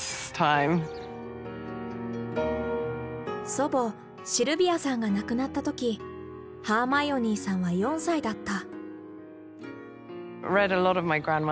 祖母シルビアさんが亡くなった時ハーマイオニーさんは４歳だった。